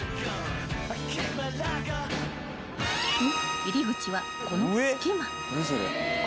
［入り口はこの隙間］